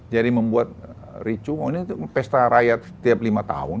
jadi membuat ricu ini tuh pesta rakyat setiap lima tahun